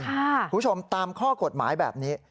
คุณผู้ชมตามข้อกฎหมายแบบนี้